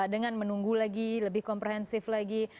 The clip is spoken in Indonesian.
dengan menunggu lagi lebih komprehensif lagi